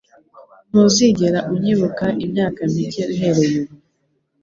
Ntuzigera unyibuka imyaka mike uhereye ubu.